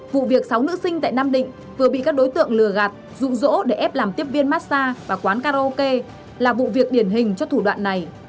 vụ việc sáu nữ sinh tại nam định vừa bị các đối tượng lừa gạt rụ rỗ để ép làm tiếp viên massage và quán karaoke là vụ việc điển hình cho thủ đoạn này